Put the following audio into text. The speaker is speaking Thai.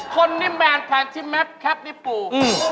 คนที่แมนแพรงชิ้นแม๊บแคปนิปู